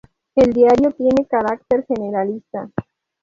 El diario tiene carácter generalista.